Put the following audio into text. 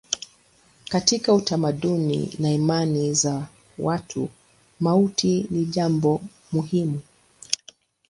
Katika utamaduni na imani za watu mauti ni jambo muhimu.